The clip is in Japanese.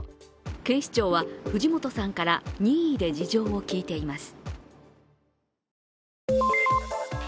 警視庁は藤本さんから任意で事情を聞いています。